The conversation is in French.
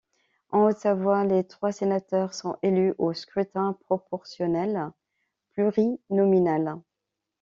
En Haute-Savoie, les trois sénateurs sont élus au scrutin proportionnel plurinominal.